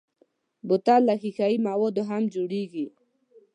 بوتل له ښیښهيي موادو هم جوړېږي.